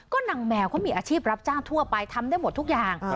นางแมวเขามีอาชีพรับจ้างทั่วไปทำได้หมดทุกอย่าง